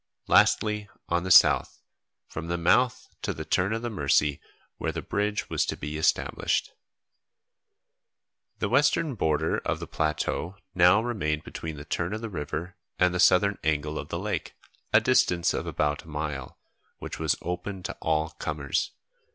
Lastly on the south, from the mouth to the turn of the Mercy where the bridge was to be established. The western border of the plateau now remained between the turn of the river and the southern angle of the lake, a distance of about a mile, which was open to all comers.